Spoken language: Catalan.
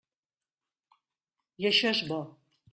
I això és bo.